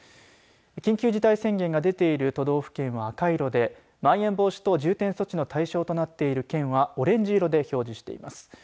緊急事態宣言が出ている都道府県は、赤色でまん延防止等重点措置の対象となっている県はオレンジ色で表示しています。